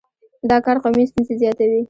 دا کار قومي ستونزې زیاتوي.